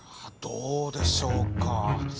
どうでしょうか？